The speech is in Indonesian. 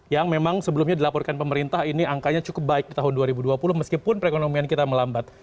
yang memang sebelumnya dilaporkan pemerintah ini angkanya cukup baik di tahun dua ribu dua puluh meskipun perekonomian kita melambat